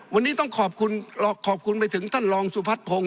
วันนี้ต้องขอบคุณขอบคุณไปถึงท่านรองสุพัฒนพงศ